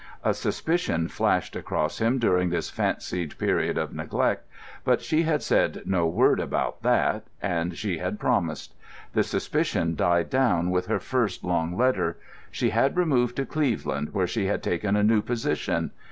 A suspicion flashed across him during this fancied period of neglect; but she had said no word about that—and she had promised. The suspicion died down with her first long letter. She had removed to Cleveland, where she had taken a new position.